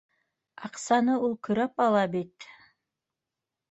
Аҡсаны ул көрәп ала бит